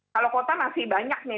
kalau kota masih banyak nih